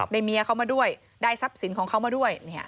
เมียเขามาด้วยได้ทรัพย์สินของเขามาด้วย